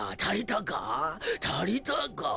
たりたか？